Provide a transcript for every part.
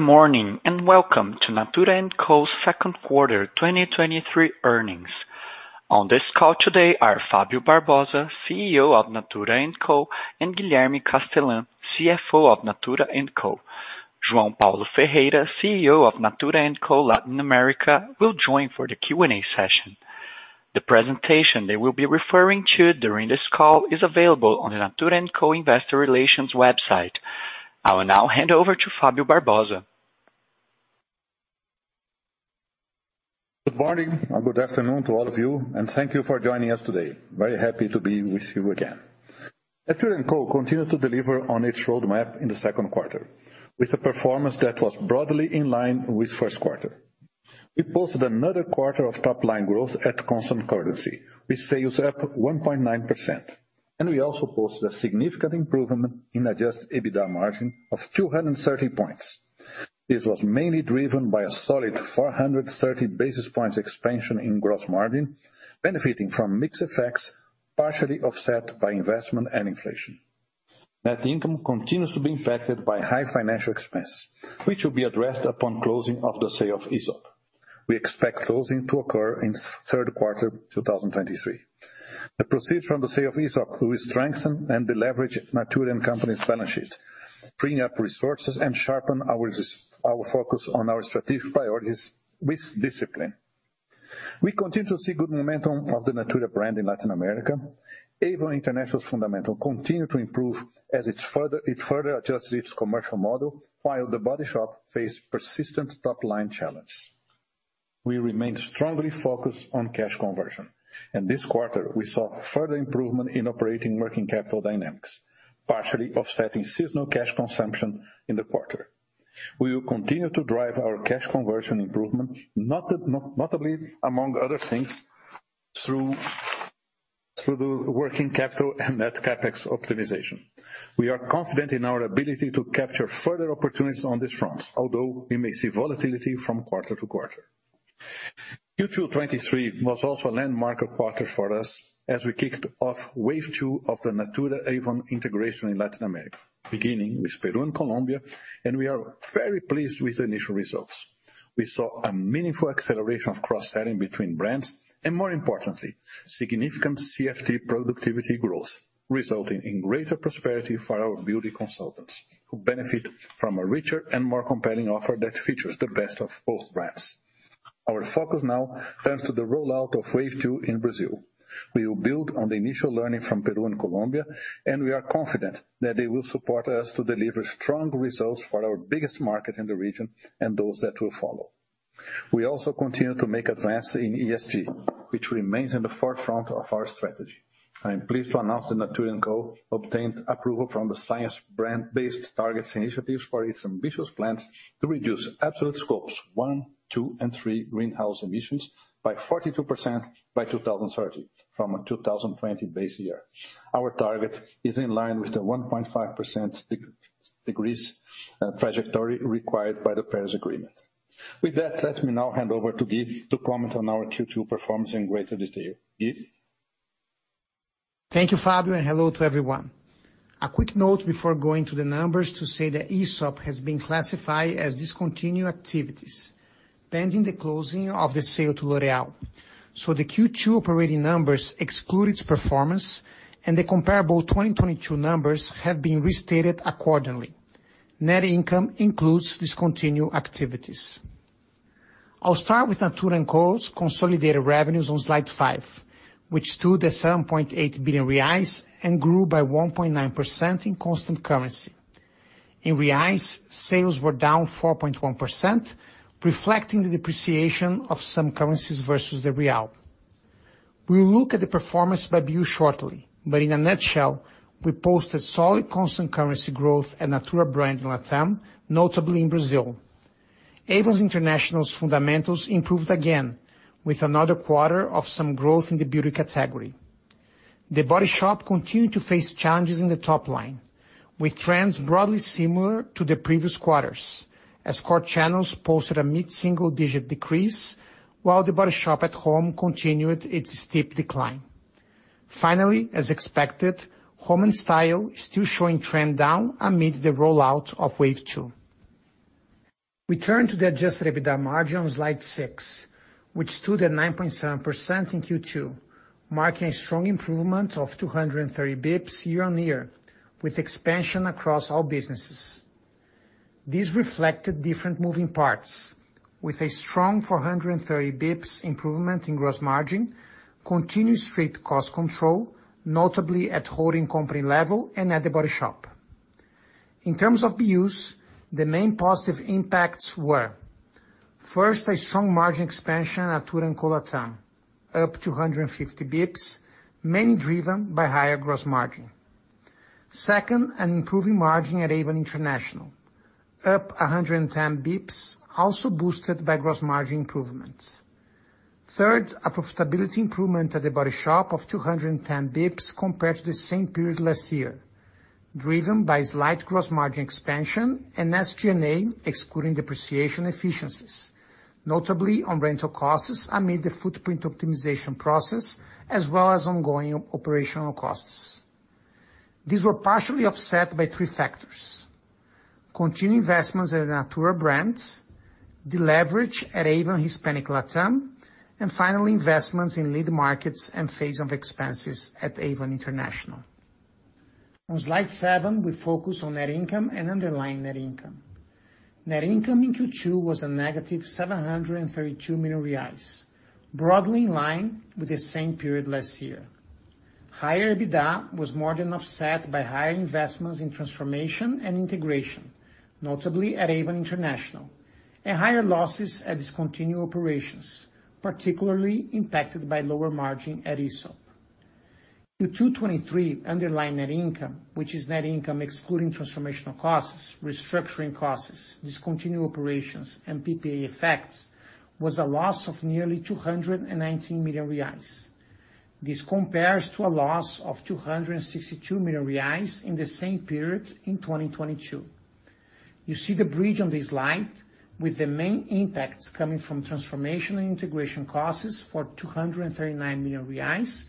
Good morning, welcome to Natura &Co's second quarter 2023 earnings. On this call today are Fabio Barbosa, CEO of Natura &Co, and Guilherme Castellan, CFO of Natura &Co. Joao Paulo Ferreira, CEO of Natura &Co Latin America, will join for the Q&A session. The presentation they will be referring to during this call is available on the Natura &Co investor relations website. I will now hand over to Fabio Barbosa. Good morning, good afternoon to all of you, and thank you for joining us today. Very happy to be with you again. Natura &Co continued to deliver on its roadmap in the second quarter, with a performance that was broadly in line with first quarter. We posted another quarter of top-line growth at constant currency, with sales up 1.9%, we also posted a significant improvement in Adjusted EBITDA margin of 230 points. This was mainly driven by a solid 430 basis points expansion in gross margin, benefiting from mix effects, partially offset by investment and inflation. Net income continues to be impacted by high financial expense, which will be addressed upon closing of the sale of Aesop. We expect closing to occur in the third quarter 2023. The proceed from the sale of Aesop will strengthen and deleverage Natura &Co's balance sheet, free up resources, and sharpen our focus on our strategic priorities with discipline. We continue to see good momentum of the Natura brand in Latin America. Avon International's fundamentals continue to improve as it's further, it further adjusts its commercial model, while The Body Shop face persistent top-line challenge. We remain strongly focused on cash conversion. This quarter we saw further improvement in operating working capital dynamics, partially offsetting seasonal cash consumption in the quarter. We will continue to drive our cash conversion improvement, notably, among other things, through the working capital and net CapEx optimization. We are confident in our ability to capture further opportunities on this front, although we may see volatility from quarter to quarter. Q2 2023 was also a landmark quarter for us, as we kicked off Wave 2 of the Natura-Avon integration in Latin America, beginning with Peru and Colombia. We are very pleased with the initial results. We saw a meaningful acceleration of cross-selling between brands, and more importantly, significant CFT productivity growth, resulting in greater prosperity for our beauty consultants, who benefit from a richer and more compelling offer that features the best of both brands. Our focus now turns to the rollout of Wave Two in Brazil. We will build on the initial learning from Peru and Colombia. We are confident that they will support us to deliver strong results for our biggest market in the region and those that will follow. We also continue to make advances in ESG, which remains in the forefront of our strategy. I am pleased to announce that Natura &Co obtained approval from the Science Based Targets initiative for its ambitious plans to reduce absolute Scope 1, 2, and 3 greenhouse emissions by 42% by 2030, from a 2020 base year. Our target is in line with the 1.5% degrees trajectory required by the Paris Agreement. With that, let me now hand over to Gui to comment on our Q2 performance in greater detail. Gui? Thank you, Fabio. Hello to everyone. A quick note before going to the numbers to say that Aesop has been classified as discontinued activities, pending the closing of the sale to L'Oreal. The Q2 operating numbers exclude its performance, and the comparable 2022 numbers have been restated accordingly. Net income includes discontinued activities. I'll start with Natura &Co's consolidated revenues on slide five, which stood at 7.8 billion reais and grew by 1.9% in constant currency. In BRL, sales were down 4.1%, reflecting the depreciation of some currencies versus the BRL. We'll look at the performance by BU shortly, but in a nutshell, we posted solid constant currency growth at Natura brand in LatAm, notably in Brazil. Avon International's fundamentals improved again, with another quarter of some growth in the beauty category. The Body Shop continued to face challenges in the top line, with trends broadly similar to the previous quarters, as core channels posted a mid-single digit decrease, while The Body Shop at Home continued its steep decline. As expected, Home & Style is still showing trend down amidst the rollout of Wave 2 We turn to the Adjusted EBITDA margin on slide six, which stood at 9.7% in Q2, marking a strong improvement of 230 bps year-on-year, with expansion across all businesses. This reflected different moving parts with a strong 430 bps improvement in Gross margin, continuous strict cost control, notably at holding company level and at The Body Shop. In terms of BUs, the main positive impacts were, first, a strong margin expansion at Natura &Co LatAm, up 250 basis points, mainly driven by higher gross margin. Second, an improving margin at Avon International, up 110 basis points, also boosted by gross margin improvements. Third, a profitability improvement at The Body Shop of 210 basis points compared to the same period last year, driven by slight gross margin expansion and SG&A, excluding depreciation efficiencies, notably on rental costs amid the footprint optimization process, as well as ongoing operational costs. These were partially offset by three factors: continued investments in the Natura brands, the leverage at Avon Hispanic LATAM, and finally, investments in lead markets and phasing of expenses at Avon International. On slide seven, we focus on net income and underlying net income. Net income in Q2 was a negative 732 million reais, broadly in line with the same period last year. Higher EBITDA was more than offset by higher investments in transformation and integration, notably at Avon International, and higher losses at discontinued operations, particularly impacted by lower margin at Aesop. In 2023, underlying net income, which is net income excluding transformational costs, restructuring costs, discontinued operations, and PPA effects, was a loss of nearly 219 million reais. This compares to a loss of 262 million reais in the same period in 2022. You see the bridge on this slide, with the main impacts coming from transformation and integration costs for 239 million reais,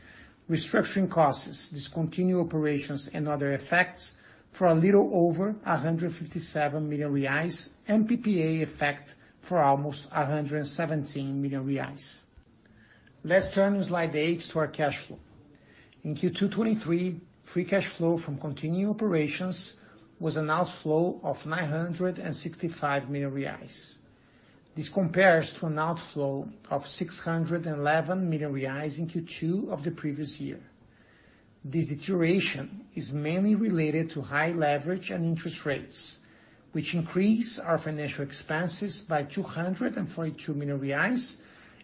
restructuring costs, discontinued operations, and other effects for a little over 157 million reais, and PPA effect for almost 117 million reais. Let's turn on slide eight to our cash flow. In Q2 2023, free cash flow from continuing operations was an outflow of 965 million reais. This compares to an outflow of 611 million reais in Q2 of the previous year. This deterioration is mainly related to high leverage and interest rates, which increase our financial expenses by 242 million reais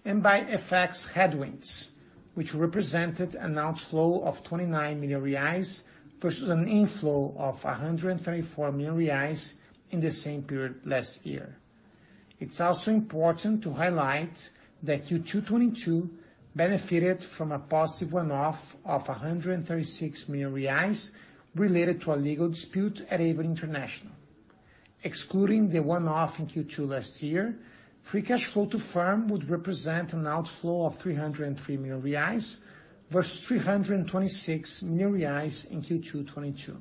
and by effects headwinds, which represented an outflow of 29 million reais versus an inflow of 134 million reais in the same period last year. It's also important to highlight that Q2 2022 benefited from a positive one-off of 136 million reais related to a legal dispute at Avon International. Excluding the one-off in Q2 last year, free cash flow to firm would represent an outflow of 303 million reais versus 326 million reais in Q2 2022.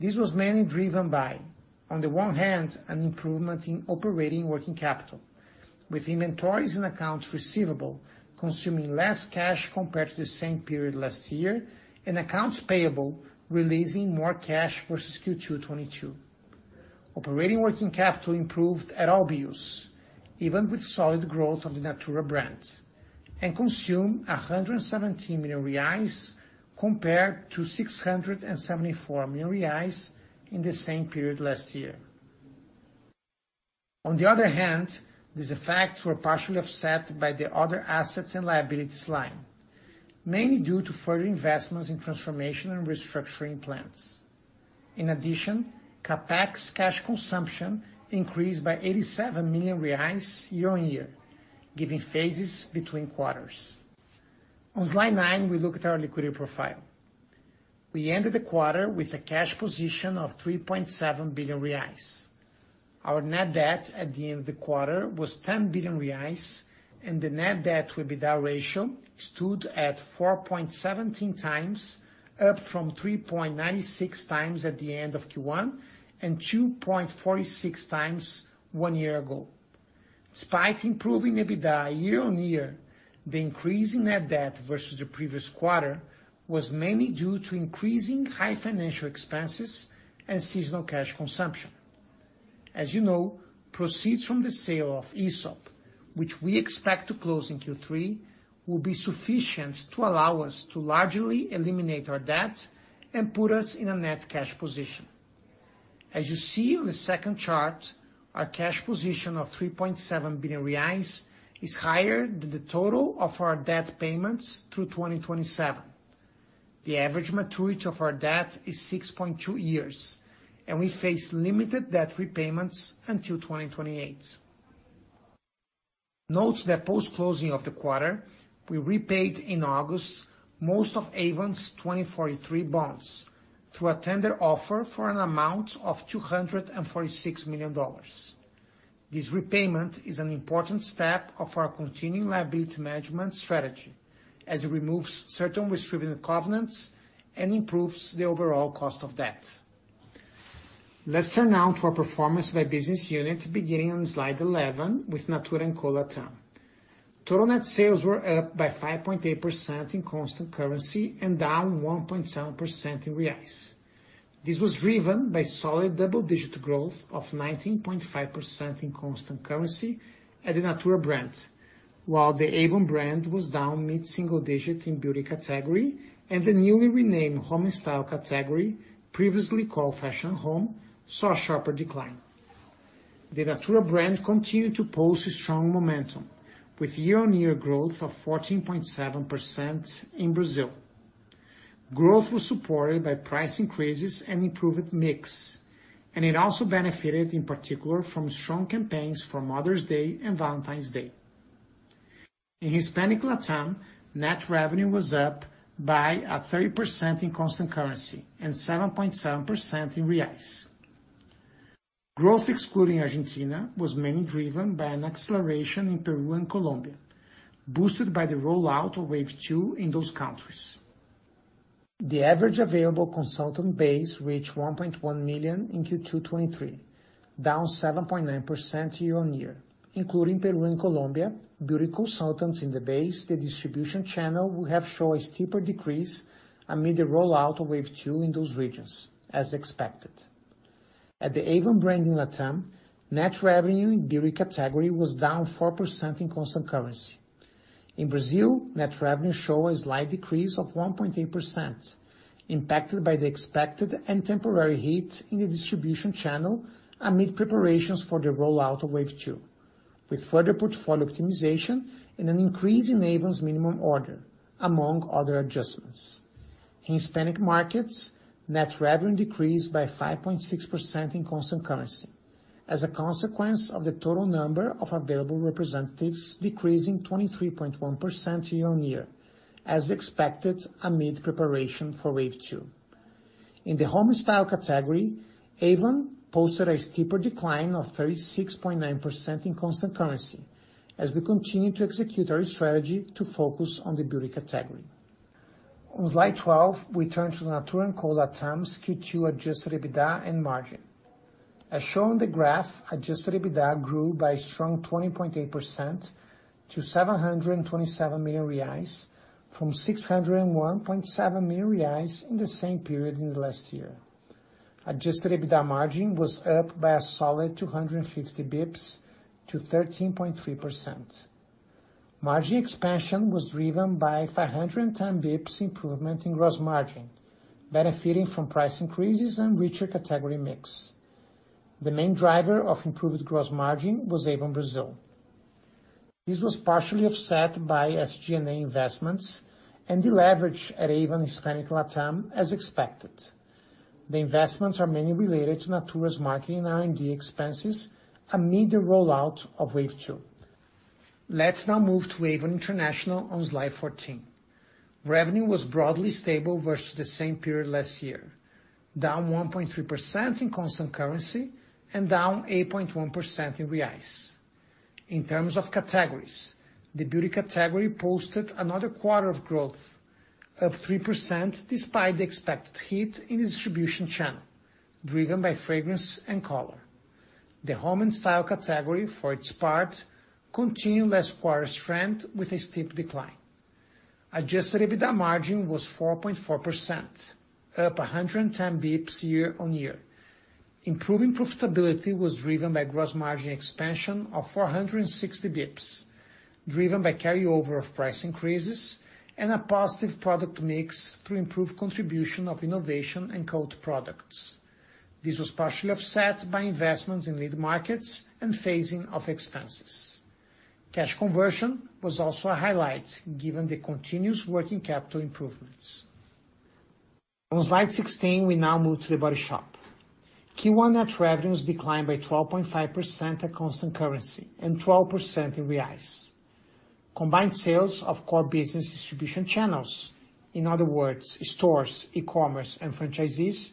This was mainly driven by, on the one hand, an improvement in operating working capital, with inventories and accounts receivable consuming less cash compared to the same period last year, and accounts payable releasing more cash versus Q2 2022. Operating working capital improved at all BUs, Avon with solid growth of the Natura brand, and consumed 117 million reais compared to 674 million reais in the same period last year. On the other hand, these effects were partially offset by the other assets and liabilities line, mainly due to further investments in transformation and restructuring plans. In addition, CapEx cash consumption increased by 87 million reais year-on-year, giving phases between quarters. On slide nine, we look at our liquidity profile. We ended the quarter with a cash position of 3.7 billion reais. Our net debt at the end of the quarter was 10 billion reais, and the net debt with EBITDA ratio stood at 4.17x, up from 3.96x at the end of Q1, and 2.46 times one year ago. Despite improving EBITDA year-on-year, the increase in net debt versus the previous quarter was mainly due to increasing high financial expenses and seasonal cash consumption. As you know, proceeds from the sale of Aesop, which we expect to close in Q3, will be sufficient to allow us to largely eliminate our debt and put us in a net cash position. As you see on the second chart, our cash position of 3.7 billion reais is higher than the total of our debt payments through 2027. The average maturity of our debt is 6.2 years, and we face limited debt repayments until 2028. Note that post-closing of the quarter, we repaid in August, most of Avon's 2043 bonds through a tender offer for an amount of $246 million. This repayment is an important step of our continuing Liability management strategy as it removes certain restrictive covenants and improves the overall cost of debt. Let's turn now to our performance by business unit, beginning on slide 11 with Natura &Co Latam. Total net sales were up by 5.8% in constant currency and down 1.7% in BRL. This was driven by solid double-digit growth of 19.5% in constant currency at the Natura brand, while the Avon brand was down mid-single digit in beauty category, and the newly renamed Home & Style category, previously called Fashion Home, saw a sharper decline. The Natura brand continued to post a strong momentum with year-on-year growth of 14.7% in Brazil. Growth was supported by price increases and improved mix, and it also benefited, in particular, from strong campaigns for Mother's Day and Valentine's Day. In Hispanic LatAm, net revenue was up by 30% in constant currency and 7.7% in BRL. Growth excluding Argentina was mainly driven by an acceleration in Peru and Colombia, boosted by the rollout of Wave 2 in those countries. The average available consultant base reached 1.1 million in Q2 2023, down 7.9% year-on-year, including Peru and Colombia. Beauty consultants in the base, the distribution channel, will have shown a steeper decrease amid the rollout of Wave 2 in those regions, as expected. At the Avon brand in Latam, net revenue in beauty category was down 4% in constant currency. In Brazil, net revenue showed a slight decrease of 1.8%, impacted by the expected and temporary hit in the distribution channel amid preparations for the rollout of Wave 2, with further portfolio optimization and an increase in Avon's minimum order, among other adjustments. In Hispanic markets, net revenue decreased by 5.6% in constant currency as a consequence of the total number of available representatives decreasing 23.1% year-on-year, as expected, amid preparation for Wave 2. In the Home & Style category, Avon posted a steeper decline of 36.9% in constant currency as we continue to execute our strategy to focus on the beauty category. On slide 12, we turn to Natura & Co Latam's Q2 Adjusted EBITDA and margin. As shown in the graph, Adjusted EBITDA grew by a strong 20.8% to 727 million reais, from 601.7 million reais in the same period in the last year. Adjusted EBITDA margin was up by a solid 250 bps to 13.3%. Margin expansion was driven by 510 bps improvement in gross margin, benefiting from price increases and richer category mix. The main driver of improved gross margin was Avon Brazil. This was partially offset by SG&A investments and the leverage at Avon Hispanic LatAm as expected. The investments are mainly related to Natura's marketing R&D expenses amid the rollout of Wave 2. Let's now move to Avon International on slide 14. Revenue was broadly stable versus the same period last year, down 1.3% in constant currency and down 8.1% in BRL. In terms of categories, the beauty category posted another quarter of growth, up 3%, despite the expected hit in the distribution channel, driven by fragrance and color. The Home & Style category, for its part, continued last quarter's trend with a steep decline. Adjusted EBITDA margin was 4.4%, up 110 basis points year-on-year. Improving profitability was driven by gross margin expansion of 460 basis points, driven by carryover of price increases and a positive product mix through improved contribution of innovation and core products. This was partially offset by investments in lead markets and phasing of expenses. Cash conversion was also a highlight, given the continuous working capital improvements. On slide 16, we now move to The Body Shop. Q1 net revenues declined by 12.5% at constant currency and 12% in BRL. Combined sales of core business distribution channels, in other words, stores, e-commerce, and franchisees,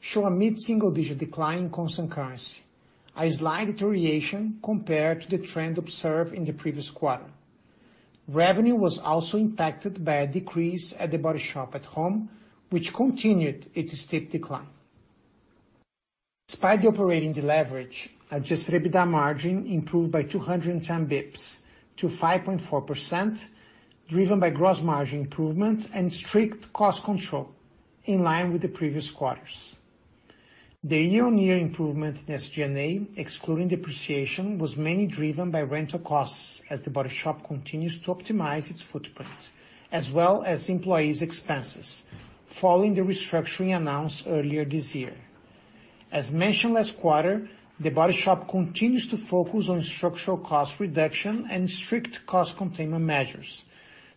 show a mid-single-digit decline in constant currency, a slight deterioration compared to the trend observed in the previous quarter. Revenue was also impacted by a decrease at The Body Shop At Home, which continued its steep decline. Despite the operating leverage, Adjusted EBITDA margin improved by 210 bps to 5.4%, driven by gross margin improvement and strict cost control, in line with the previous quarters. The year-on-year improvement in SG&A, excluding depreciation, was mainly driven by rental costs as The Body Shop continues to optimize its footprint, as well as employees' expenses, following the restructuring announced earlier this year. As mentioned last quarter, The Body Shop continues to focus on structural cost reduction and strict cost containment measures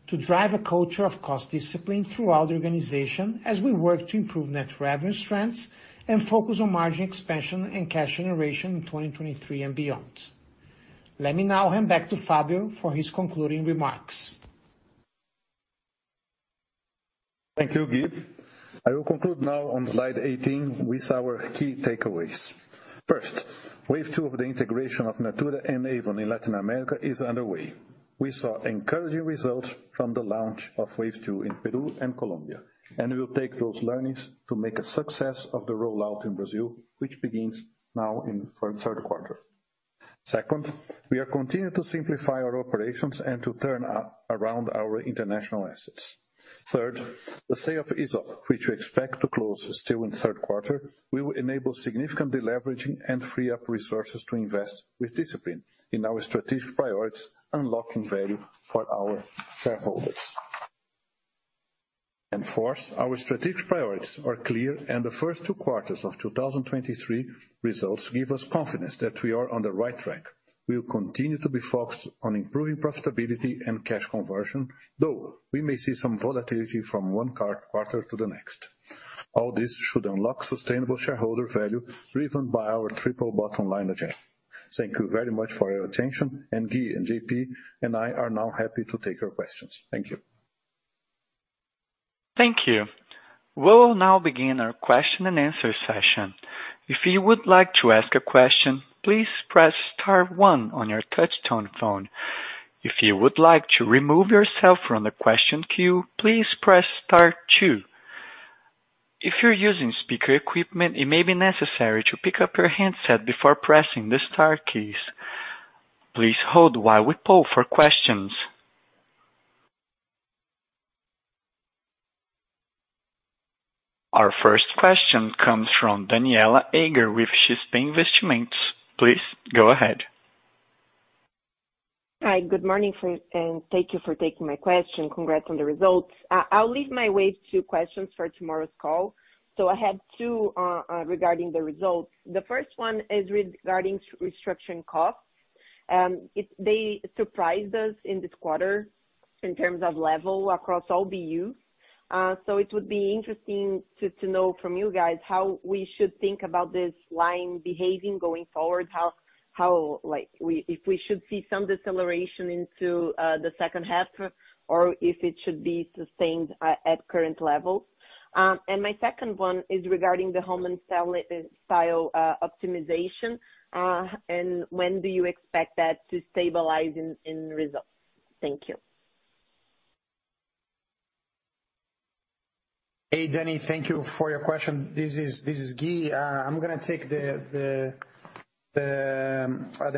to drive a culture of cost discipline throughout the organization, as we work to improve net revenue strengths and focus on margin expansion and cash generation in 2023 and beyond. Let me now hand back to Fabio for his concluding remarks. Thank you, Gui. I will conclude now on slide 18 with our key takeaways. First, Wave 2 of the integration of Natura and Avon in Latin America is underway. We saw encouraging results from the launch of Wave 2 in Peru and Colombia, and we will take those learnings to make a success of the rollout in Brazil, which begins now in third quarter. Second, we are continuing to simplify our operations and to turn around our international assets. Third, the sale of Aesop, which we expect to close still in the third quarter, we will enable significant deleveraging and free up resources to invest with discipline in our strategic priorities, unlocking value for our shareholders. Fourth, our strategic priorities are clear, and the first two quarters of 2023 results give us confidence that we are on the right track. We will continue to be focused on improving profitability and cash conversion, though we may see some volatility from one quarter to the next. All this should unlock sustainable shareholder value, driven by our triple bottom line agenda. Thank you very much for your attention, Gui and J.P. and I are now happy to take your questions. Thank you. Thank you. We'll now begin our question and answer session. If you would like to ask a question, please press star one on your touchtone phone. If you would like to remove yourself from the question queue, please press star two. If you're using speaker equipment, it may be necessary to pick up your handset before pressing the star keys. Please hold while we poll for questions. Our first question comes from Danniela Eiger with XP Investimentos. Please go ahead. Hi, good morning, for, thank you for taking my question. Congrats on the results. I'll leave my Wave 2 questions for tomorrow's call. I had two regarding the results. The first one is regarding restructuring costs. They surprised us in this quarter in terms of level across all BUs. It would be interesting to know from you guys how we should think about this line behaving going forward. How, like, if we should see some deceleration into the second half or if it should be sustained at current levels? My second one is regarding the Home & Style optimization. When do you expect that to stabilize in results? Thank you. Hey, Danny, thank you for your question. This is, this is Gui. I'm gonna take the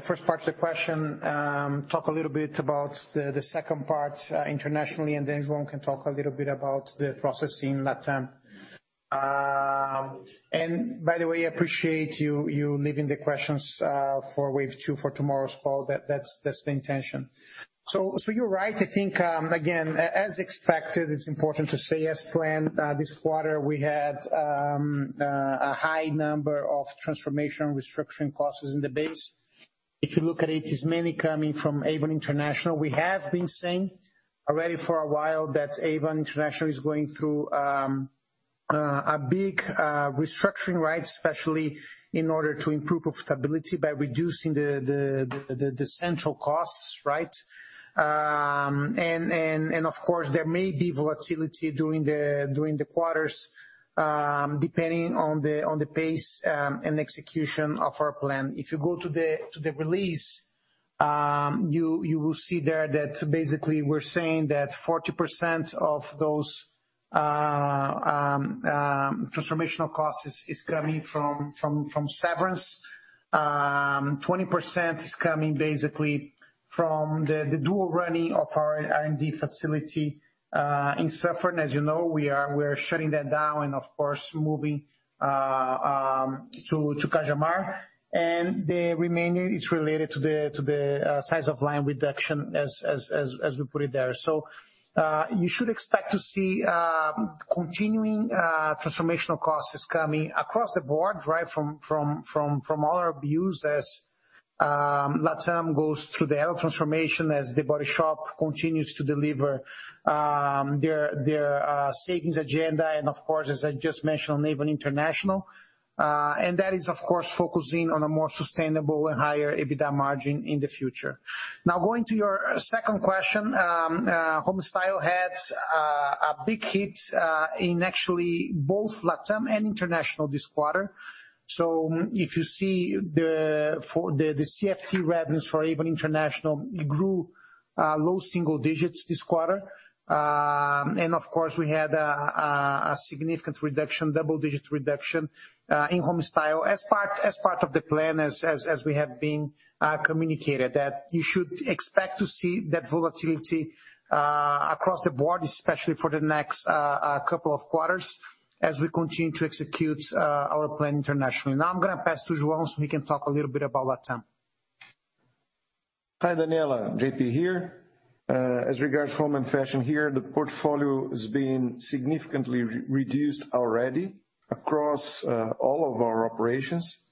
first part of the question, talk a little bit about the second part internationally, and then João can talk a little bit about the process in LatAm. By the way, appreciate you leaving the questions for Wave 2, for tomorrow's call. That's, that's the intention. You're right. I think, again, as expected, it's important to say as planned, this quarter, we had a high number of transformation restructuring costs in the base. If you look at it, it's mainly coming from Avon International. We have been saying already for a while that Avon International is going through a big restructuring, right? Especially in order to improve profitability by reducing the central costs, right? Of course, there may be volatility during the quarters, depending on the pace and execution of our plan. If you go to the release, you will see there that basically we're saying that 40% of those transformational costs is coming from severance. 20% is coming basically from the dual running of our R&D facility in Suffern. As you know, we are shutting that down and of course, moving to Cajamar. The remaining is related to the size of line reduction, as we put it there. You should expect to see continuing transformational costs coming across the board, right? From, from, from, from all our BUs as LatAm goes through the L transformation, as The Body Shop continues to deliver their, their savings agenda, and of course, as I just mentioned, Avon International. And that is, of course, focusing on a more sustainable and higher EBITDA margin in the future. Now, going to your second question. Home & Style had a big hit in actually both LatAm and international this quarter. If you see the, for the, the CFT revenues for Avon International grew low single digits this quarter. And of course, we had a, a significant reduction, double-digit reduction, in Home & Style as part, as part of the plan, as, as, as we have been communicated. That you should expect to see that volatility, across the board, especially for the next couple of quarters, as we continue to execute our plan internationally. Now I'm gonna pass to Joao, so he can talk a little bit about LatAm. Hi, Daniella, JP here. As regards home and fashion here, the portfolio is being significantly reduced already across all of our operations.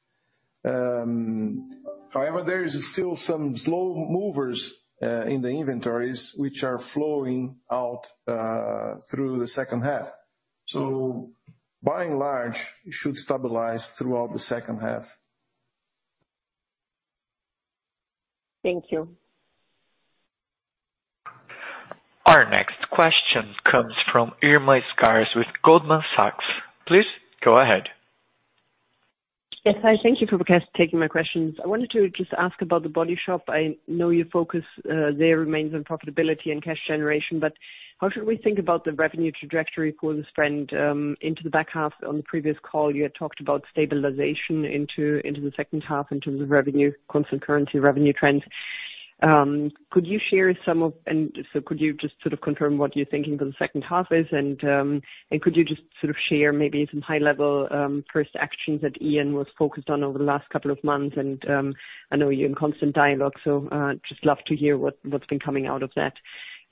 However, there is still some slow movers in the inventories, which are flowing out through the second half. By and large, it should stabilize throughout the second half. Thank you. Our next question comes from Irma Sgarz with Goldman Sachs. Please go ahead. Yes, hi. Thank you for taking my questions. I wanted to just ask about The Body Shop. I know your focus there remains on profitability and cash generation, but how should we think about the revenue trajectory going trend into the back half? On the previous call, you had talked about stabilization into, into the second half in terms of revenue, constant currency revenue trends. Could you share some of... could you just sort of confirm what you're thinking for the second half is, and could you just sort of share maybe some high-level first actions that Ian was focused on over the last couple of months? I know you're in constant dialogue, so just love to hear what, what's been coming out of that.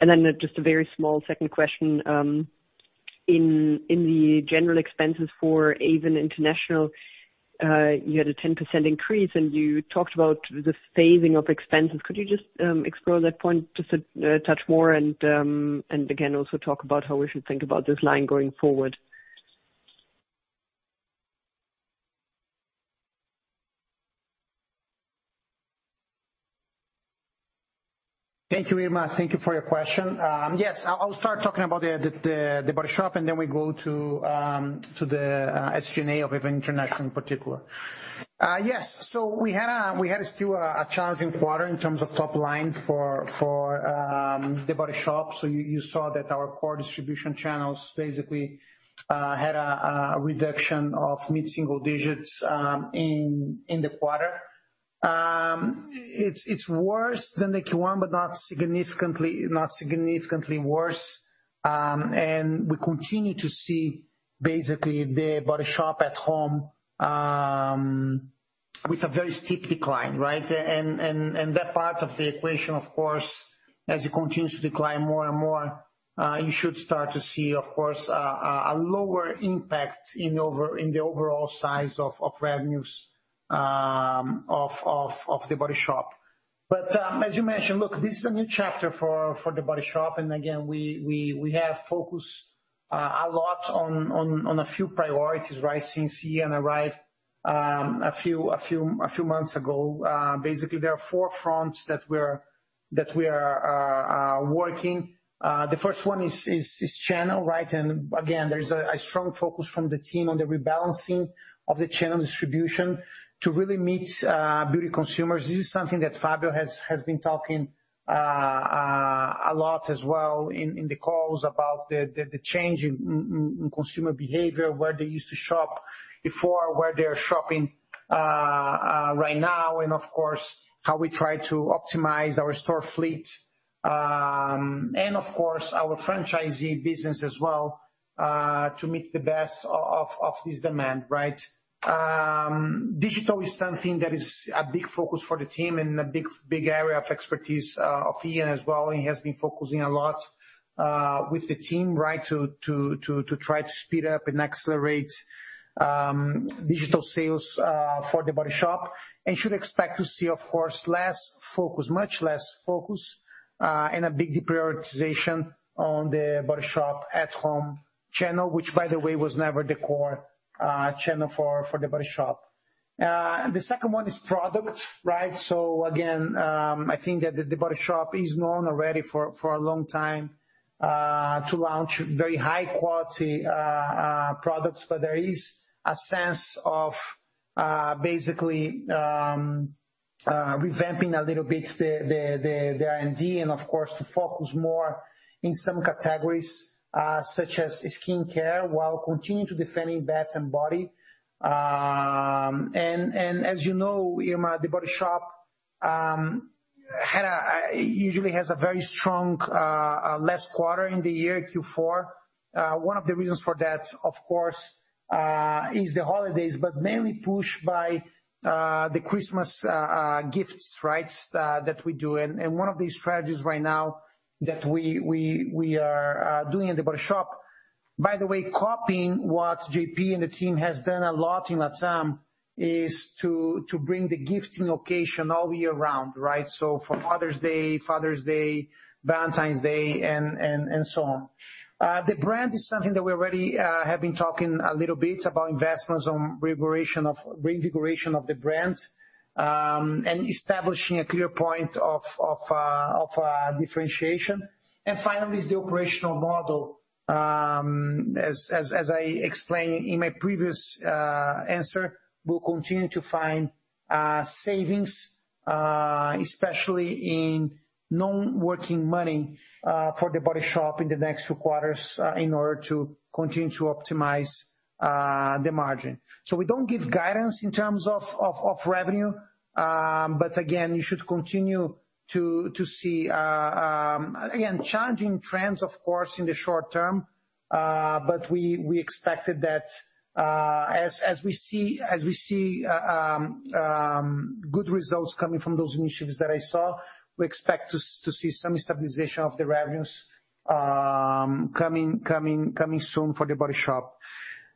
Then just a very small second question, in, in the general expenses for Avon International, you had a 10% increase, and you talked about the phasing of expenses. Could you just explore that point just a touch more? And again, also talk about how we should think about this line going forward. Thank you, Irma. Thank you for your question. Yes, I'll start talking about The Body Shop. Then we go to the SG&A of Avon International in particular. Yes, we had still a challenging quarter in terms of top line for The Body Shop. You saw that our core distribution channels basically had a reduction of mid-single digits in the quarter. It's worse than the Q1, but not significantly worse. We continue to see, basically, The Body Shop at home with a very steep decline, right? That part of the equation, of course, as it continues to decline more and more, you should start to see, of course, a lower impact in the overall size of revenues of The Body Shop. As you mentioned, look, this is a new chapter for The Body Shop, and again, we have focused a lot on a few priorities, right? Since Ian arrived, a few months ago. Basically, there are four fronts that we are working. The first one is channel, right? Again, there is a strong focus from the team on the rebalancing of the channel distribution to really meet beauty consumers. This is something that Fabio has, has been talking, a lot as well in, in the calls about the, the, the change in, in, in consumer behavior, where they used to shop before, where they are shopping, right now. Of course, how we try to optimize our store fleet, and of course, our franchisee business as well, to make the best o-of, of this demand, right? Digital is something that is a big focus for the team and a big, big area of expertise, of Ian as well, and he has been focusing a lot, with the team, right, to, to, to, to try to speed up and accelerate, digital sales, for The Body Shop. Should expect to see, of course, less focus, much less focus, and a big deprioritization on The Body Shop at Home channel, which by the way, was never the core, for, for The Body Shop. The second one is product, right? Again, I think that The Body Shop is known already for, for a long time, to launch very high quality products. There is a sense of, basically, revamping a little bit, the, the, the, the R&D, and of course, to focus more in some categories, such as skincare, while continuing to defending bath and body. And as you know, Irma, The Body Shop, had a, usually has a very strong, last quarter in the year, Q4. One of the reasons for that, of course, is the holidays, but mainly pushed by the Christmas gifts, right? That we do. One of the strategies right now that we, we, we are doing in The Body Shop, by the way, copying what J.P. and the team has done a lot in LatAm, is to bring the gifting occasion all year round, right? For Father's Day, Valentine's Day, and so on. The brand is something that we already have been talking a little bit about investments on re-invigoration of the brand and establishing a clear point of differentiation. Finally, is the operational model. As, as, as I explained in my previous answer, we'll continue to find savings, especially in non-working money, for The Body Shop in the next few quarters, in order to continue to optimize the margin. So we don't give guidance in terms of, of, of revenue. But again, you should continue to, to see, again, challenging trends, of course, in the short term. But we, we expected that, as, as we see, as we see, good results coming from those initiatives that I saw, we expect to to see some stabilization of the revenues, coming, coming, coming soon for The Body Shop.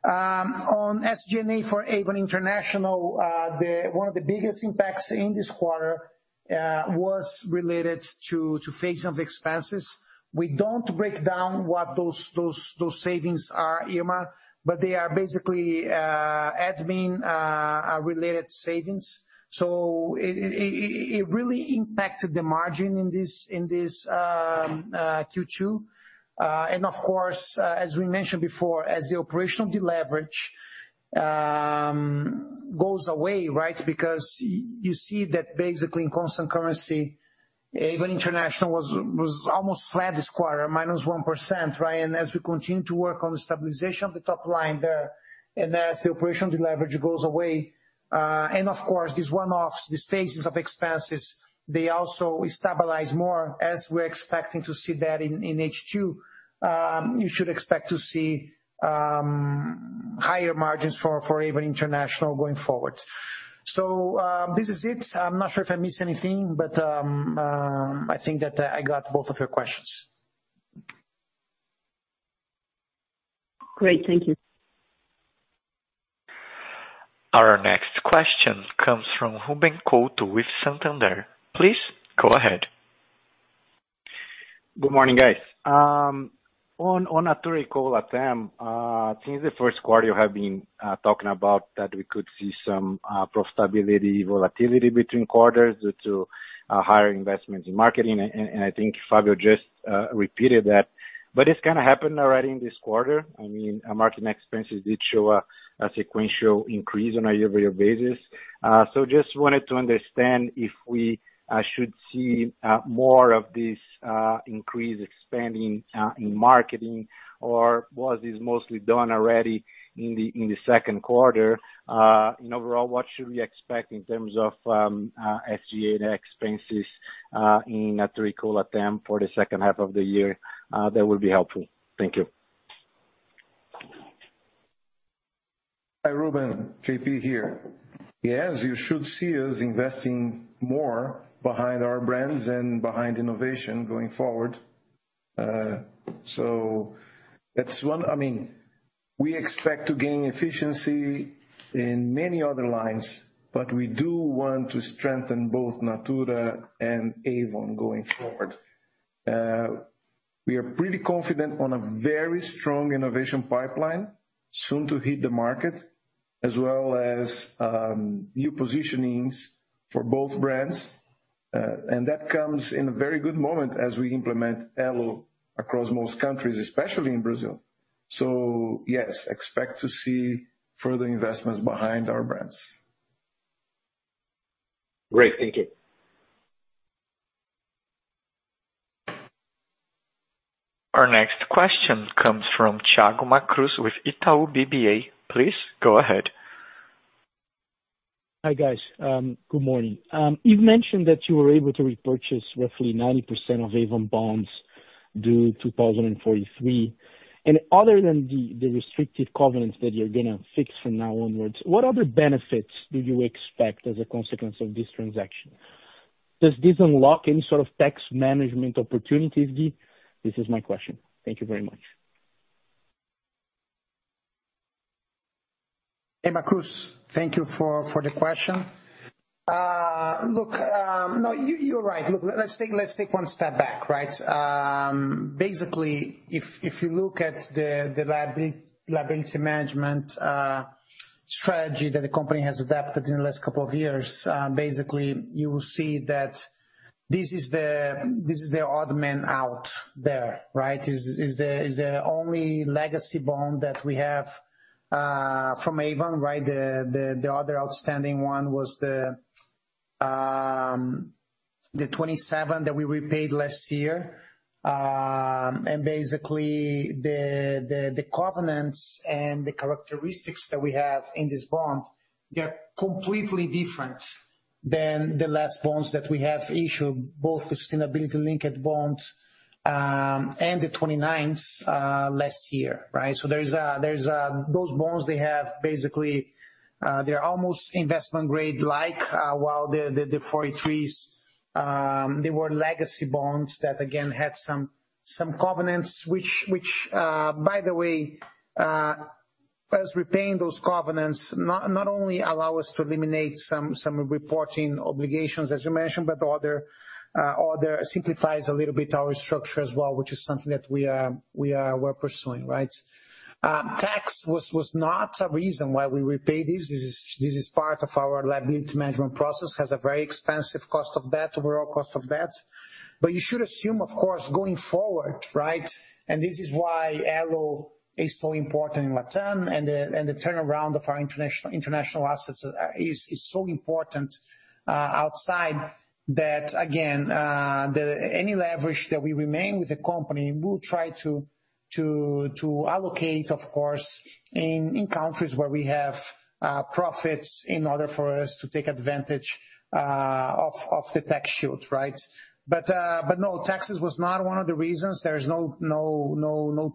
On SG&A for Avon International, the... One of the biggest impacts in this quarter, was related to, to phase some expenses. We don't break down what those, those, those savings are, Irma, but they are basically, admin, related savings. It, it, it, it really impacted the margin in this, in this, Q2. Of course, as we mentioned before, as the operational deleverage, goes away, right? Because you see that basically in constant currency, Avon International was, was almost flat this quarter, minus 1%, right? As we continue to work on the stabilization of the top line there, and as the operational leverage goes away, and of course, these one-offs, the phases of expenses, they also stabilize more as we're expecting to see that in, in H2. You should expect to see, higher margins for, for Avon International going forward. This is it. I'm not sure if I missed anything, but I think that I got both of your questions. Great. Thank you. Our next question comes from Ruben Couto with Santander. Please go ahead. Good Morning Guys. On Natura &Co LatAm, since the first quarter, you have been talking about that we could see some profitability volatility between quarters due to higher investments in marketing. And I think Fabio just repeated that. But it's kind of happened already in this quarter. I mean, our marketing expenses did show a sequential increase on a year-over-year basis. So just wanted to understand if we should see more of this increase expanding in marketing or was this mostly done already in the second quarter? And overall, what should we expect in terms of SG&A expenses in Natura &Co LatAm for the second half of the year? That would be helpful. Thank you. Hi, Ruben. J.P. here. Yes, you should see us investing more behind our brands and behind innovation going forward. That's one-- I mean, we expect to gain efficiency in many other lines, but we do want to strengthen both Natura and Avon going forward. We are pretty confident on a very strong innovation pipeline soon to hit the market, as well as new positionings for both brands. That comes in a very good moment as we implement Elo across most countries, especially in Brazil. Yes, expect to see further investments behind our brands. Great. Thank you. Our next question comes from Thiago Macruz with Itau BBA. Please go ahead. Hi, guys. Good morning. You've mentioned that you were able to repurchase roughly 90% of Avon bonds due 2043. Other than the, the restrictive covenants that you're gonna fix from now onwards, what other benefits do you expect as a consequence of this transaction? Does this unlock any sort of tax management opportunities, Gui? This is my question. Thank you very much. Hey, Macruz, thank you for, for the question. Look, no, you, you're right. Look, let's take, let's take 1 step back, right? Basically, if, if you look at the, the liability management strategy that the company has adapted in the last two years, basically, you will see that this is the, this is the odd man out there, right? Is, is the, is the only legacy bond that we have from Avon, right? The, the, the other outstanding one was the 27 that we repaid last year. And basically the, the, the covenants and the characteristics that we have in this bond, they're completely different than the last bonds that we have issued, both sustainability-linked bonds, and the 29s last year, right? There's a, there's a, those bonds, they have basically, they're almost investment grade-like, while the, the, the 43s, they were legacy bonds that again, had some, some covenants, which, which, by the way, as repaying those covenants, not, not only allow us to eliminate some, some reporting obligations, as you mentioned, but other simplifies a little bit our structure as well, which is something that we are, we are, we're pursuing, right. Tax was, was not a reason why we repay this. This is, this is part of our liability management process, has a very expensive cost of debt, overall cost of debt. You should assume, of course, going forward, right. This is why ALO is so important in Latam and the turnaround of our international, international assets is so important outside that again. Any leverage that we remain with the company, we will try to allocate, of course, in, in countries where we have profits in order for us to take advantage of, of the tax shield, right? No, taxes was not one of the reasons. There is no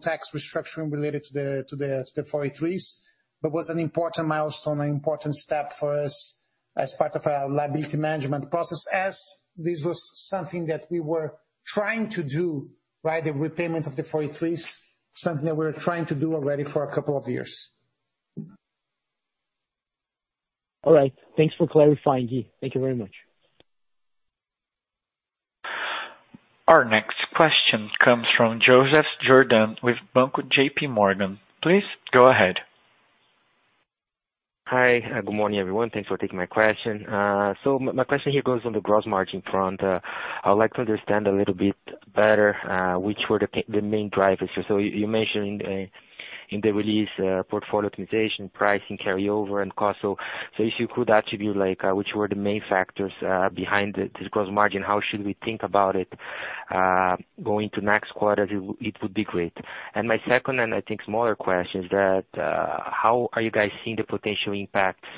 tax restructuring related to the 2043s. Was an important milestone, an important step for us as part of our liability management process, as this was something that we were trying to do, right? The repayment of the 2043s, something that we're trying to do already for a couple of years. All right. Thanks for clarifying, Gui. Thank you very much. Our next question comes from Joseph Giordano with Banco JPMorgan. Please go ahead. Hi, good morning, everyone. Thanks for taking my question. My question here goes on the gross margin front. I would like to understand a little bit better, which were the main drivers. You mentioned in the release, portfolio optimization, pricing, carryover, and cost. If you could attribute, like, which were the main factors behind the gross margin, how should we think about it, going to next quarter, it would be great. My second, and I think smaller question is that. How are you guys seeing the potential impacts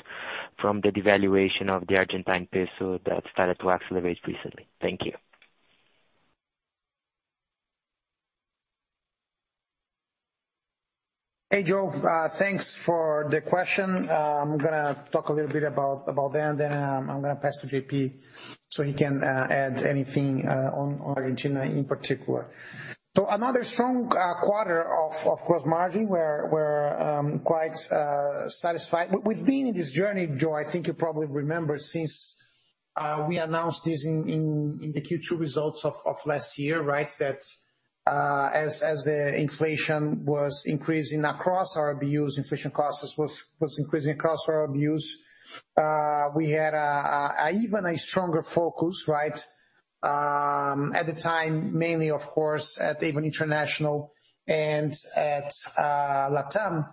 from the devaluation of the Argentine peso that started to accelerate recently? Thank you. Hey, Joe, thanks for the question. I'm gonna talk a little bit about, about that, and then, I'm gonna pass to J.P. so he can add anything on Argentina in particular. Another strong quarter of gross margin. We're, we're quite satisfied. W-with being in this journey, Joe, I think you probably remember since we announced this in the Q2 results of last year, right? As, as the inflation was increasing across our ABUs, inflation costs was, was increasing across our ABUs, we had a, a, even a stronger focus, right? At the time, mainly of course, at Avon International and at Latam,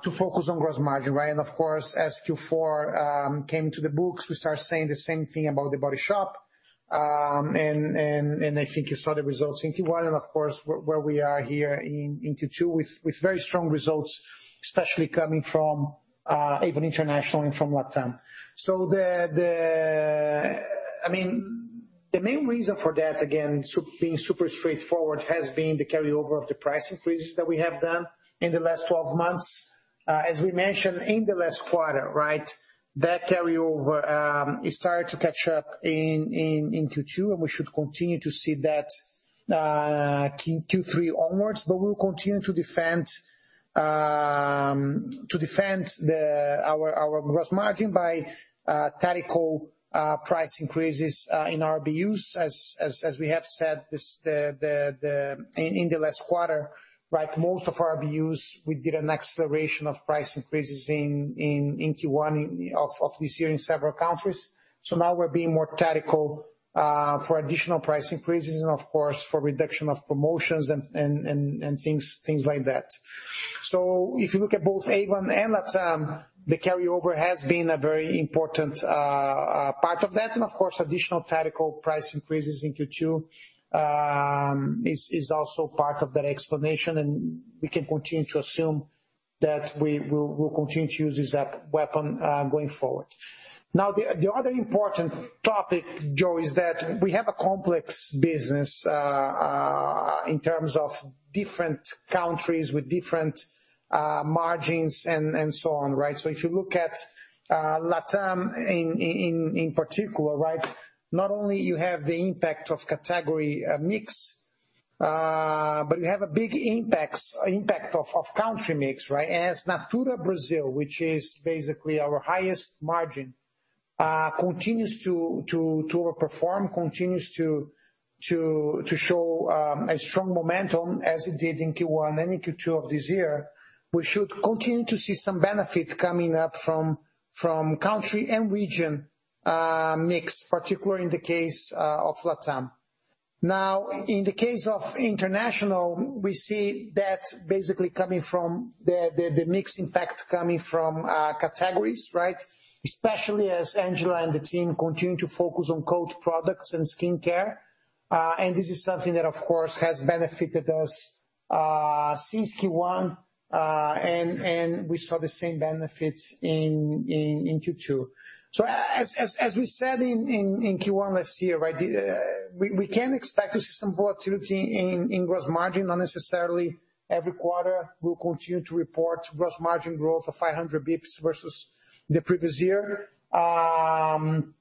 to focus on gross margin, right? Of course, as Q4 came to the books, we started saying the same thing about The Body Shop. I think you saw the results in Q1, and of course, where we are here in Q2, with very strong results, especially coming from Avon International and from LatAm. I mean, the main reason for that, again, being super straightforward, has been the carryover of the price increases that we have done in the last 12 months. As we mentioned in the last quarter, right, that carryover started to catch up in Q2, and we should continue to see that Q3 onwards. We'll continue to defend, to defend the... our gross margin by tactical price increases in our ABUs. As we have said, in the last quarter, right, most of our ABUs, we did an acceleration of price increases in Q1 of this year in several countries. Now we're being more tactical for additional price increases and of course, for reduction of promotions and things like that. If you look at both Avon and Latam, the carryover has been a very important part of that. Of course, additional tactical price increases in Q2 is also part of that explanation, and we can continue to assume that we will, we'll continue to use this weapon going forward. The other important topic, Joe, is that we have a complex business in terms of different countries with different margins and so on, right? If you look at LatAm, in particular, right, not only you have the impact of category mix, but you have a big impact of country mix, right? As Natura Brazil, which is basically our highest margin, continues to overperform, continues to show a strong momentum as it did in Q1 and in Q2 of this year, we should continue to see some benefit coming up from country and region mix, particularly in the case of LatAm. In the case of international, we see that basically coming from the mix impact coming from categories, right? Especially as Angela and the team continue to focus on code products and skincare. And this is something that, of course, has benefited us since Q1. We saw the same benefits in Q2. As we said in Q1 last year, right, we can expect to see some volatility in gross margin. Not necessarily every quarter we'll continue to report gross margin growth of 500 bps versus the previous year. Again,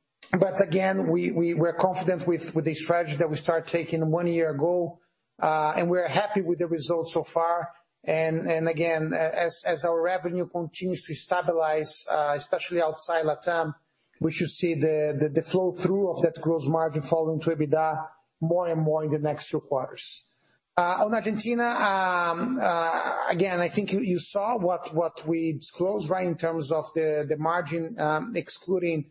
we're confident with the strategy that we started taking one year ago, and we're happy with the results so far. Again, as our revenue continues to stabilize, especially outside LatAm, we should see the flow through of that gross margin falling to EBITDA more and more in the next few quarters. On Argentina, again, I think you saw what we disclosed, right, in terms of the margin, excluding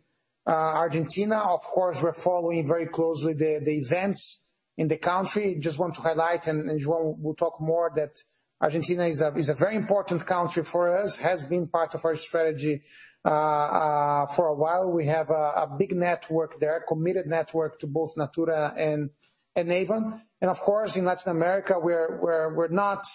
Argentina. Of course, we're following very closely the events in the country. Just want to highlight, and João will talk more, that Argentina is a very important country for us, has been part of our strategy for a while. We have a big network there, a committed network to both Natura and Avon. And of course, in Latin America, we're not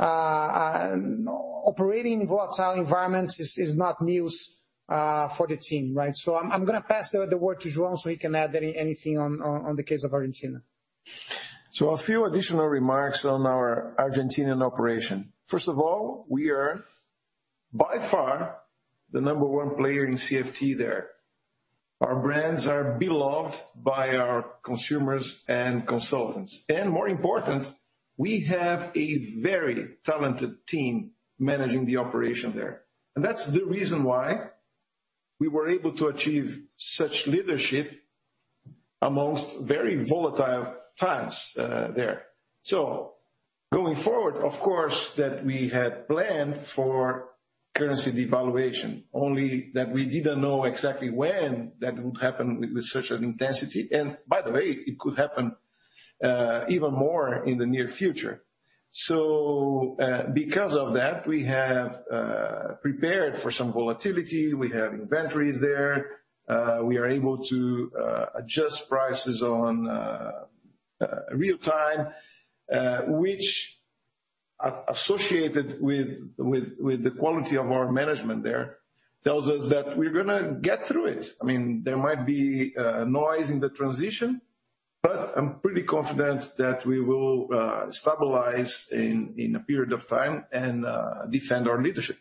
operating in volatile environments is not news for the team, right? I'm gonna pass the word to João so he can add anything on the case of Argentina. A few additional remarks on our Argentinian operation. First of all, we are by far the number one player in CFT there. Our brands are beloved by our consumers and consultants. More important, we have a very talented team managing the operation there. That's the reason why we were able to achieve such leadership amongst very volatile times, there. Going forward, of course, that we had planned for currency devaluation, only that we didn't know exactly when that would happen with, with such an intensity. By the way, it could happen, even more in the near future. Because of that, we have, prepared for some volatility. We have inventories there. We are able to adjust prices on real time, which associated with, with, with the quality of our management there, tells us that we're gonna get through it. I mean, there might be noise in the transition, but I'm pretty confident that we will stabilize in, in a period of time and defend our leadership.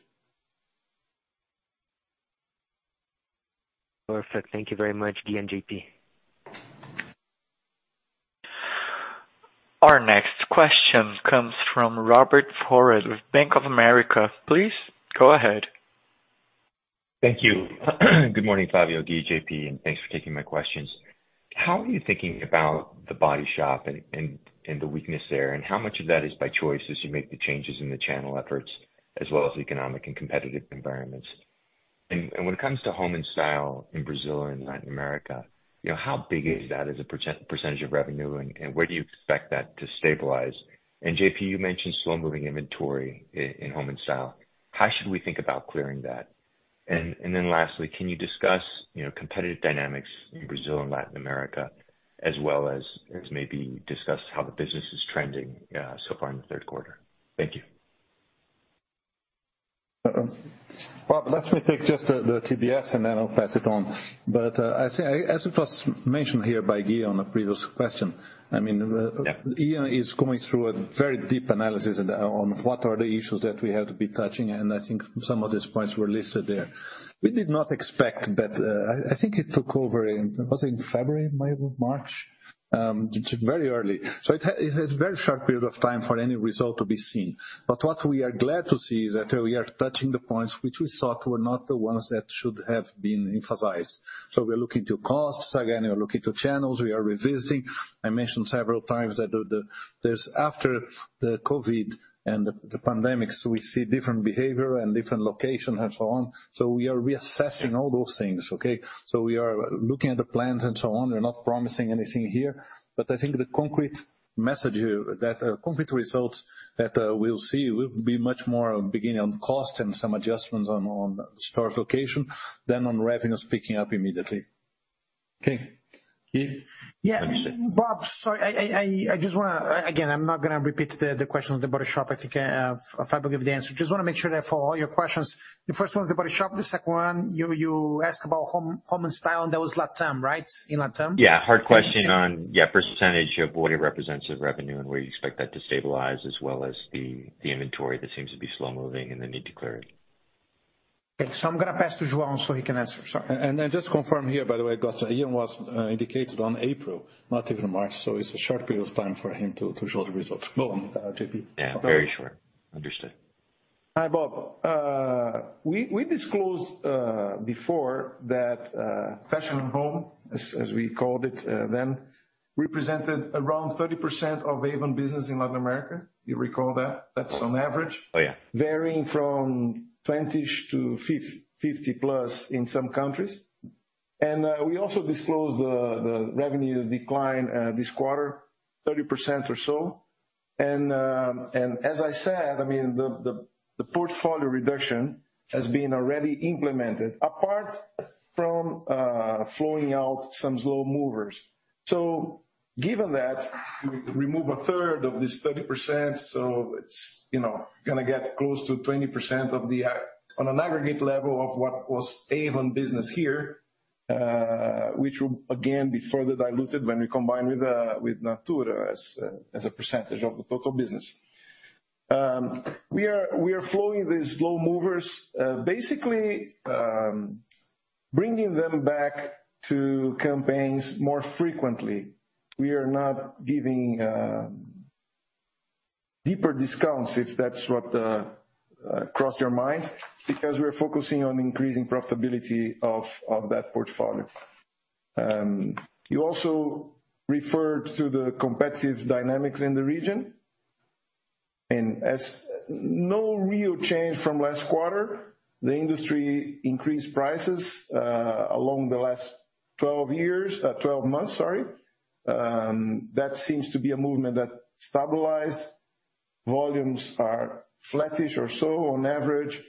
Perfect. Thank you very much, Guy and JP. Our next question comes from Robert Ford with Bank of America. Please go ahead. Thank you. Good morning, Fabio, Guy, J.P., thanks for taking my questions. How are you thinking about The Body Shop and the weakness there? How much of that is by choice as you make the changes in the channel efforts, as well as economic and competitive environments? When it comes to Home & Style in Brazil and Latin America, you know, how big is that as a percentage of revenue, and where do you expect that to stabilize? J.P., you mentioned slow-moving inventory in Home & Style. How should we think about clearing that? Then lastly, can you discuss, you know, competitive dynamics in Brazil and Latin America, as well as maybe discuss how the business is trending so far in the third quarter? Thank you. Bob, let me take just the, the TBS, and then I'll pass it on. I say, as it was mentioned here by Guy on the previous question, I mean... Yeah. Ian is going through a very deep analysis on what are the issues that we have to be touching. I think some of these points were listed there. We did not expect, but I think it took over in, was it in February, maybe March? Very early. It's a very short period of time for any result to be seen. What we are glad to see is that we are touching the points which we thought were not the ones that should have been emphasized. We're looking to costs. Again, we're looking to channels. We are revisiting. I mentioned several times that the there's, after the COVID and the pandemics, we see different behavior and different location and so on. We are reassessing all those things, okay? We are looking at the plans and so on. We're not promising anything here, but I think the concrete message here, that, concrete results that, we'll see will be much more beginning on cost and some adjustments on, on store location than on revenues picking up immediately. Okay. Gui? Yeah. Let me see. Bob, sorry, I, I, I, I just wanna, again, I'm not gonna repeat the question of The Body Shop. I think I, Fabio, gave the answer. Just wanna make sure that for all your questions, the first one is The Body Shop, the second one, you, you ask about Home & Style, and that was LatAm, right? In LatAm? Yeah. Hard question on, yeah, percentage of what it represents of revenue, and where you expect that to stabilize, as well as the, the inventory that seems to be slow-moving and the need to clear it. Okay, I'm gonna pass to Joao so he can answer. Sorry. Just confirm here, by the way, got Ian was indicated on April, not even March, so it's a short period of time for him to show the results. Go on, J.P. Yeah, very short. Understood. Hi, Bob. We, we disclosed before that, Fashion and Home, as, as we called it, then, represented around 30% of Avon business in Latin America. You recall that? That's on average. Oh, yeah. Varying from 20-ish to 50-plus in some countries. We also disclosed the revenue decline this quarter, 30% or so. As I said, I mean, the portfolio reduction has been already implemented, apart from flowing out some slow movers. Given that, we remove a third of this 30%, so it's, you know, gonna get close to 20% of the on an aggregate level of what was Avon business here, which will again be further diluted when we combine with Natura as a percentage of the total business. We are, we are flowing these slow movers, basically bringing them back to campaigns more frequently. We are not giving deeper discounts, if that's what crossed your mind, because we're focusing on increasing profitability of, of that portfolio. You also referred to the competitive dynamics in the region. As no real change from last quarter, the industry increased prices along the last 12 years, 12 months, sorry. That seems to be a movement that stabilized. Volumes are flattish or so on average,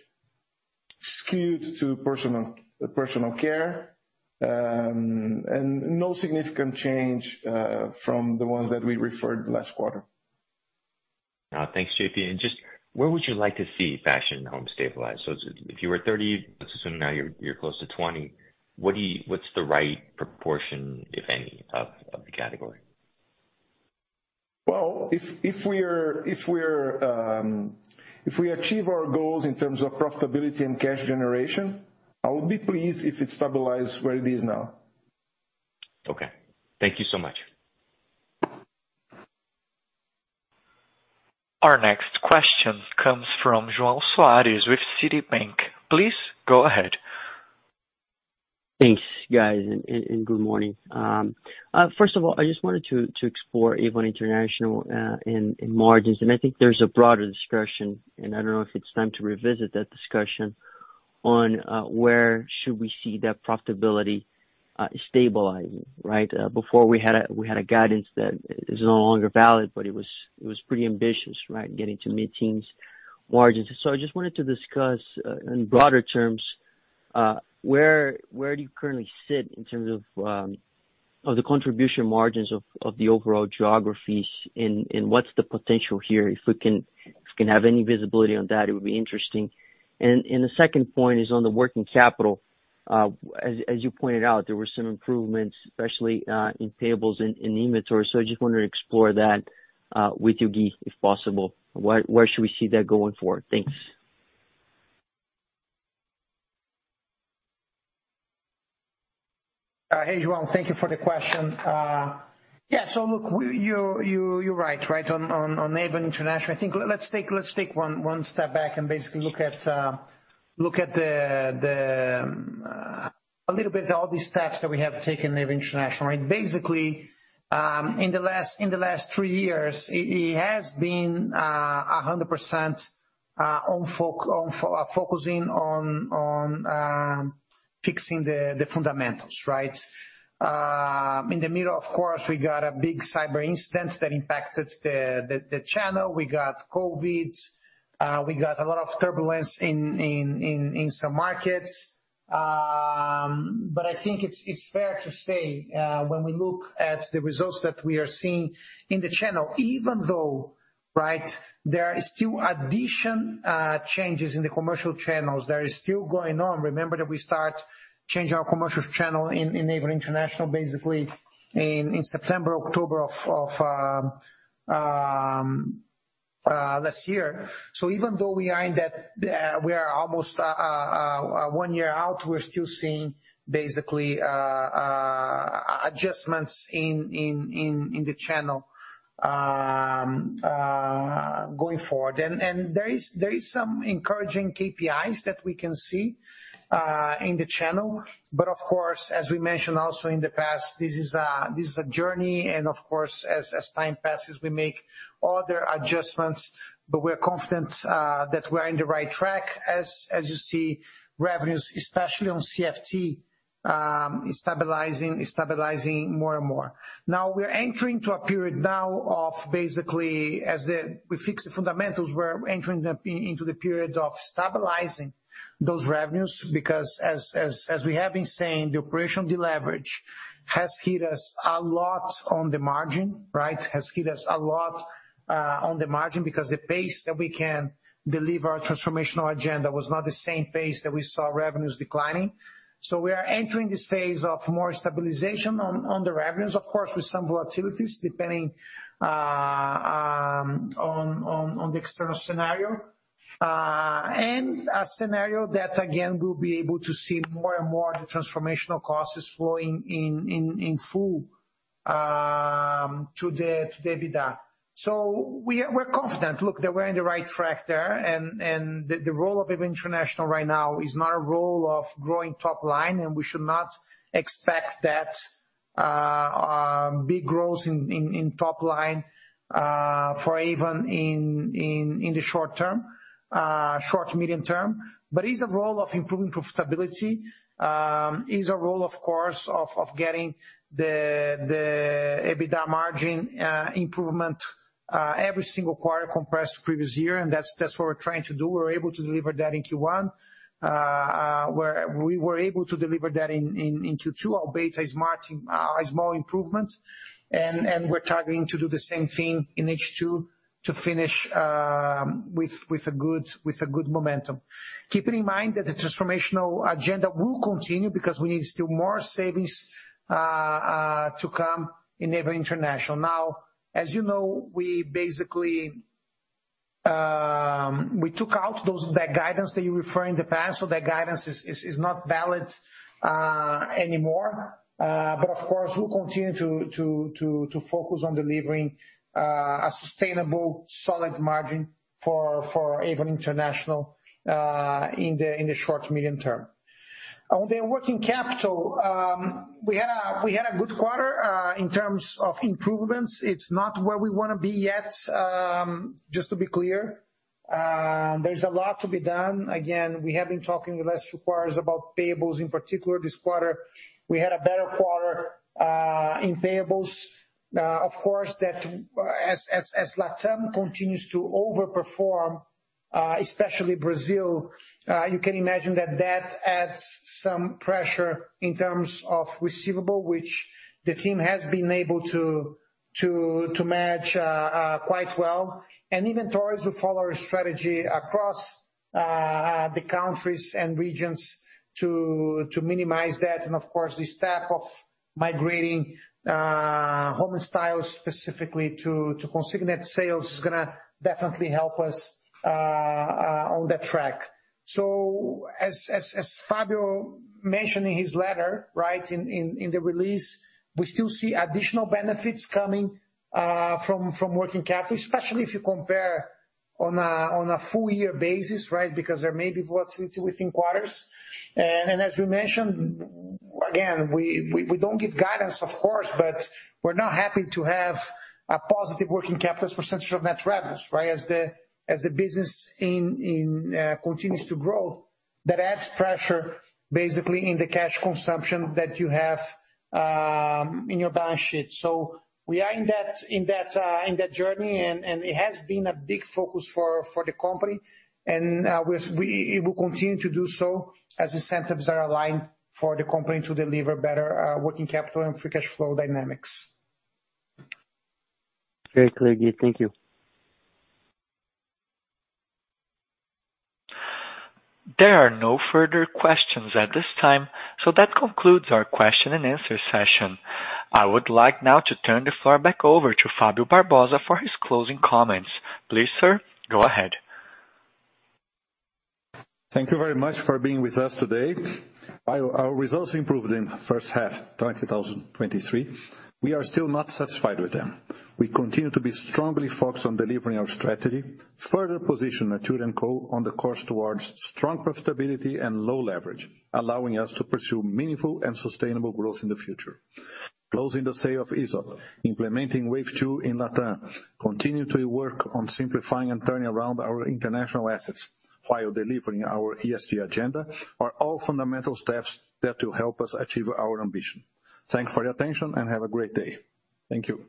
skewed to personal, personal care, and no significant change from the ones that we referred last quarter. Thanks, JP. Just where would you like to see Fashion Home stabilize? If you were 30, let's assume now you're, you're close to 20. What's the right proportion, if any, of the category? Well, if we achieve our goals in terms of profitability and cash generation, I would be pleased if it stabilized where it is now. Okay. Thank you so much. Our next question comes from Joao Soares with Citibank. Please go ahead. Thanks, guys, and good morning. First of all, I just wanted to explore Avon International in margins. I think there's a broader discussion, and I don't know if it's time to revisit that discussion on where should we see that profitability stabilizing, right? Before we had a guidance that is no longer valid, but it was pretty ambitious, right? Getting to mid-teens margins. I just wanted to discuss in broader terms where, where do you currently sit in terms of the contribution margins of the overall geographies. What's the potential here? If we can have any visibility on that, it would be interesting. The second point is on the working capital. As, as you pointed out, there were some improvements, especially in payables and in inventory. I just wanted to explore that with you, Gui, if possible. Where, where should we see that going forward? Thanks. Hey, Joao, thank you for the question. Yeah, look, you're, you, you're right, right? On, on, on Avon International. I think let's take, let's take one, one step back and basically look at the, the a little bit of all these steps that we have taken in Avon International, right? Basically, in the last, in the last three years, it, it has been 100% focusing on fixing the fundamentals, right? In the middle, of course, we got a big cyber incident that impacted the, the, the channel. We got COVID. We got a lot of turbulence in some markets. When we look at the results that we are seeing in the channel, even though, right, there are still additional changes in the commercial channels, that is still going on. Remember that we started changing our commercial channel in Avon International, basically in September, October of last year. So even though we are in that, we are almost 1 year out, we're still seeing basically adjustments in the channel going forward. And there is, there is some encouraging KPIs that we can see in the channel. But of course, as we mentioned also in the past, this is a, this is a journey and of course, as time passes, we make other adjustments We're confident that we're in the right track as, as you see revenues, especially on CFT, stabilizing, stabilizing more and more. We're entering to a period now of basically, we fix the fundamentals, we're entering into the period of stabilizing those revenues. As, as, as we have been saying, the operational deleverage has hit us a lot on the margin, right? Has hit us a lot on the margin, because the pace that we can deliver our transformational agenda was not the same pace that we saw revenues declining. We are entering this phase of more stabilization on, on the revenues, of course, with some volatilities depending on, on, on the external scenario. A scenario that, again, we'll be able to see more and more the transformational costs flowing in, in, in full to the EBITDA. We are, we're confident, look, that we're in the right track there. The role of Avon International right now is not a role of growing top line, and we should not expect that big growth in, in, in top line for even in, in, in the short term, short to medium term. It's a role of improving profitability, it's a role, of course, of getting the EBITDA margin improvement every single quarter compared to previous year. That's, that's what we're trying to do. We're able to deliver that in Q1. We were able to deliver that in Q2. Our EBITDA is marching, a small improvement, and we're targeting to do the same thing in H2 to finish with a good momentum. Keeping in mind that the transformational agenda will continue because we need still more savings to come in Avon International. As you know, we basically, we took out those, that guidance that you refer in the past. That guidance is not valid anymore. Of course, we'll continue to focus on delivering a sustainable, solid margin for Avon International in the short to medium term. On the working capital, we had a good quarter in terms of improvements. It's not where we wanna be yet. Just to be clear, there's a lot to be done. Again, we have been talking the last few quarters about payables. In particular, this quarter, we had a better quarter in payables. Of course, that as, as, as LatAm continues to overperform, especially Brazil, you can imagine that that adds some pressure in terms of receivable, which the team has been able to, to, to manage quite well. Even towards we follow our strategy across the countries and regions to, to minimize that. Of course, the step of migrating Home & Style specifically to, to consignment sales is gonna definitely help us on that track. As, as, as Fabio mentioned in his letter, right, in, in, in the release, we still see additional benefits coming from, from working capital, especially if you compare on a, on a full year basis, right? Because there may be volatility within quarters. As you mentioned, again, we, we, we don't give guidance, of course, but we're now happy to have a positive working capital percentage of net revenues, right? As the, as the business in, in, continues to grow, that adds pressure basically in the cash consumption that you have in your balance sheet. We are in that, in that, in that journey, and, and it has been a big focus for, for the company. We will continue to do so as incentives are aligned for the company to deliver better, working capital and free cash flow dynamics. Very clear, Gui. Thank you. There are no further questions at this time. That concludes our question and answer session. I would like now to turn the floor back over to Fabio Barbosa for his closing comments. Please, sir, go ahead. Thank you very much for being with us today. Our results improved in the first half of 2023. We are still not satisfied with them. We continue to be strongly focused on delivering our strategy, further position Natura &Co on the course towards strong profitability and low leverage, allowing us to pursue meaningful and sustainable growth in the future. Closing the sale of Aesop, implementing Wave 2 in LatAm, continue to work on simplifying and turning around our international assets while delivering our ESG agenda, are all fundamental steps that will help us achieve our ambition. Thanks for your attention and have a great day. Thank you.